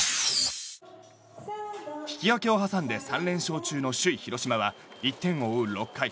引き分けを挟んで３連勝中の首位、広島は１点を追う６回。